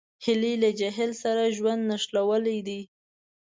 هیلۍ له جهیل سره ژوند نښلولی دی